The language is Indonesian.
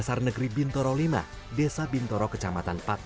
kalau ada pr kan rumahnya dekat dekat